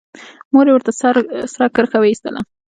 مور يې ورته سره کرښه وايستله.